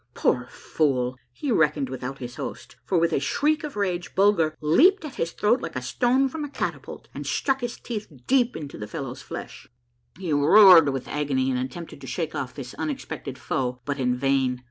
Poor fool ! he reckoned without his host ; for with a shriek of rage, Bulger leaped at his throat like a stone from a catapult, and struck his teeth deep into the fellow's flesh. 18 A MARVELLOUS UNDERGROUND JOURNEY He roared with agony and attempted to shake off this unex pected foe, but in vain.